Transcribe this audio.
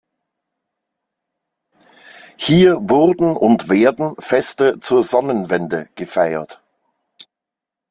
Hier wurden und werden Feste zur Sonnenwende gefeiert.